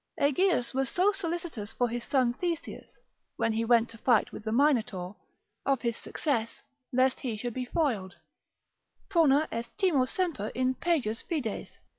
Aegeus was so solicitous for his son Theseus, (when he went to fight with the Minotaur) of his success, lest he should be foiled, Prona est timori semper in pejus fides.